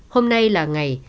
hôm nay là ngày